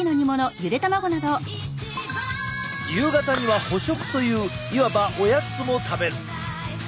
夕方には補食といういわばおやつも食べる。